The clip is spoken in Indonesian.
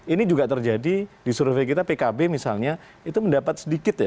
ini juga terjadi di survei kita pkb misalnya itu mendapat sedikit ya